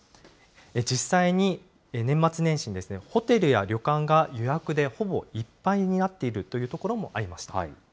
実際に、年末年始にホテルや旅館が予約でほぼいっぱいになっているというところもありました。